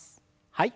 はい。